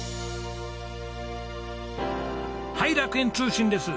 はい楽園通信です。